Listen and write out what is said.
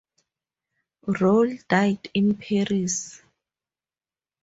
Rolle died in Paris.